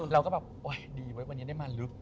เราก็แบบโอ๊ยดีเว้ยวันนี้ได้มาลึก